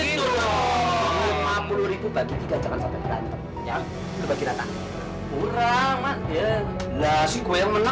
juga sih udah cukup cukup lagi ya